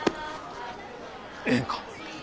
ええんか？